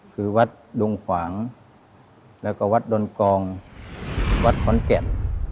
คือวัดดงขวางแล้วก็วัดดนกองวัดขอนแก่น